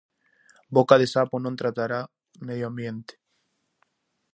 Boca de Sapo non tratará medio ambiente.